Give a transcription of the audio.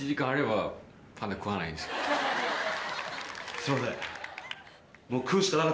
すいません。